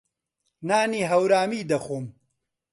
نانی هەورامی دەخۆم.